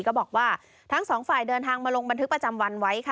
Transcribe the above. ก็บอกว่าทั้งสองฝ่ายเดินทางมาลงบันทึกประจำวันไว้ค่ะ